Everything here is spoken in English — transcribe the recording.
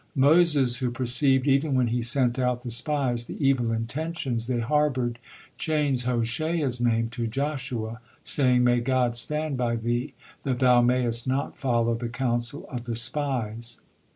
Moses who perceived, even when he sent out the spies, the evil intentions they harbored, changed Hoshea's name to Joshua, saying: "May God stand by thee, that thou mayest not follow the counsel of the spies."